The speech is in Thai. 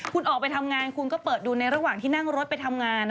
คุณออกไปทำงานคุณก็เปิดดูในระหว่างที่นั่งรถไปทำงาน